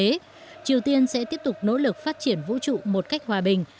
trong bài viết triều tiên sẽ tiếp tục nỗ lực phát triển vũ trụ một cách hòa bình